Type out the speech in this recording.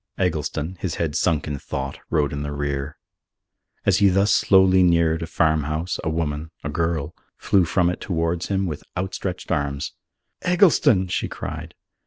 Eggleston, his head sunk in thought, rode in the rear. As he thus slowly neared a farmhouse, a woman a girl flew from it towards him with outstretched arms. "Eggleston!" she cried.